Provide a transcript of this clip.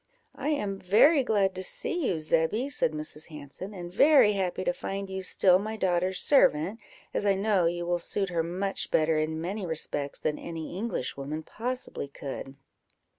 "I am very glad to see you, Zebby," said Mrs. Hanson, "and very happy to find you still my daughter's servant, as I know you will suit her much better in many respects than any Englishwoman possibly could."